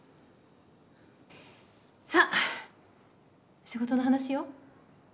さっ仕事の話よ。